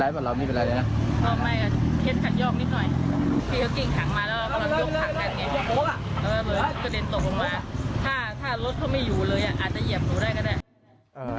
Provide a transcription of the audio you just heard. อาจจะเหยียบตัวได้